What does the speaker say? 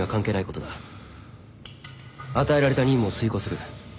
与えられた任務を遂行する。